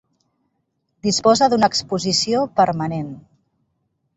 Disposa d'una exposició permanent.